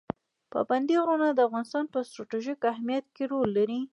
پابندی غرونه د افغانستان په ستراتیژیک اهمیت کې رول لري.